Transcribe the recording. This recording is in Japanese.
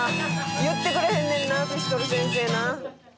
「言ってくれへんねんなピストル先生な」